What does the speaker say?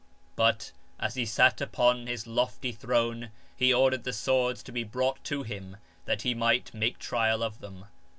But, as he sat upon his lofty throne, he ordered the swords to be brought to him that he might make trial of them.